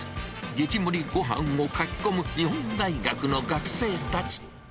激盛りごはんをかき込む日本大学の学生たち。